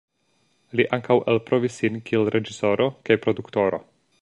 Li ankaŭ elprovis sin kiel reĝisoro kaj produktoro.